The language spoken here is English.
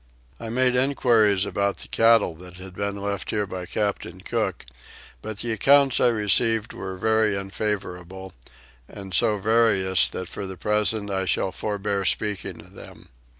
I made enquiries about the cattle that had been left here by Captain Cook, but the accounts I received were very unfavourable and so various that for the present I shall forebear speaking of them.